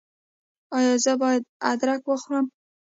ایا زه باید ادرک وخورم؟